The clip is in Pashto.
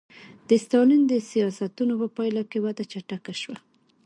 د ستالین د سیاستونو په پایله کې وده چټکه شوه